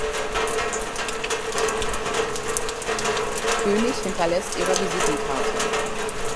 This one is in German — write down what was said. König hinterlässt ihre Visitenkarte.